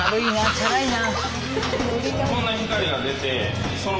チャラいな。